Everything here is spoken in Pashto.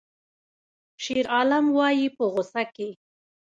شیرعالم وایی په غوسه کې